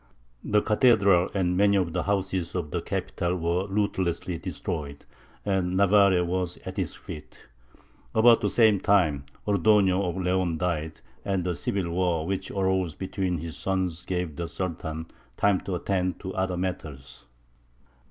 The cathedral and many of the houses of the capital were ruthlessly destroyed, and Navarre was at his feet. About the same time Ordoño of Leon died, and the civil war which arose between his sons gave the Sultan time to attend to other matters.